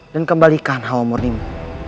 dan kembalikan hawa murnimu